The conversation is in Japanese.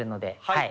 はい。